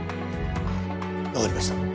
わかりました。